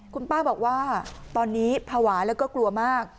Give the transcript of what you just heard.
คุณป้าบอกว่าตอนนี้ภาวะแล้วก็กลัวมาก